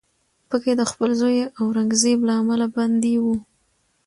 په کې د خپل زوی اورنګزیب له امله بندي و